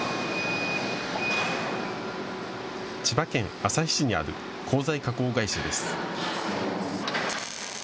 千葉県旭市にある鋼材加工会社です。